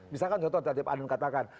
misalkan contoh tadi pak anon katakan